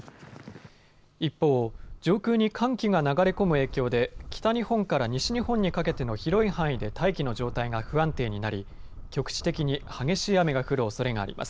一方、上空に寒気が流れ込む影響で北日本から西日本にかけての広い範囲で大気の状態が不安定になり、局地的に激しい雨が降るおそれがあります。